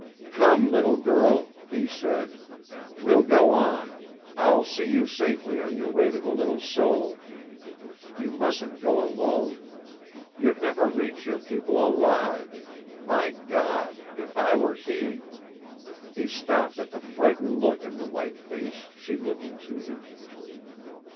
"Come, little girl," he said. "We'll go on. I'll see you safely on your way to the Little Seul. You mustn't go alone. You'd never reach your people alive. My God, if I were he " He stopped at the frightened look in the white face she lifted to him.